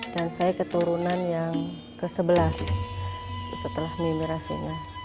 dan saya keturunan yang ke sebelas setelah mimi rasina